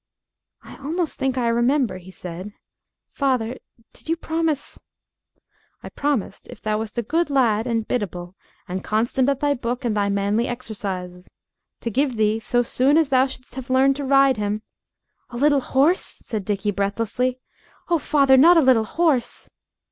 "I almost think I remember," he said. "Father did you promise ?" "I promised, if thou wast a good lad and biddable and constant at thy book and thy manly exercises, to give thee, so soon as thou should'st have learned to ride him " "A little horse?" said Dickie breathlessly; "oh, father, not a little horse?"